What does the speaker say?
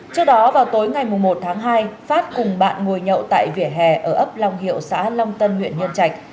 trước đó vào tối ngày một tháng hai phát cùng bạn ngồi nhậu tại vỉa hè ở ấp long hiệu xã long tân huyện nhân trạch